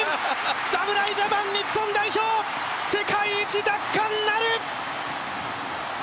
侍ジャパン日本代表、世界一奪還なる！